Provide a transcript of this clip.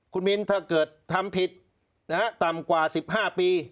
คุณมินถ้าเกิดทำผิดต่ำกว่า๑๕ปี